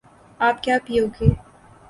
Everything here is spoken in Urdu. آپ کیا پیو گے